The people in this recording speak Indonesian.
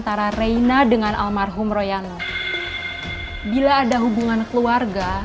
terus gimana pak hasilnya